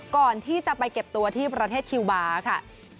ก่อนที่จะไปเก็บตัวที่ประเทศคิวบาร์ค่ะ